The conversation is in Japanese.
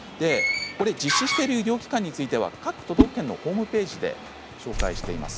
実施している医療機関については各都道府県のホームページで紹介しています。